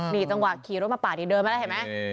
นี่จังหวะขี่รถมาปาดนี่เดินมาแล้วเห็นไหม